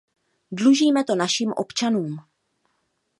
Dlužíme to našim občanům.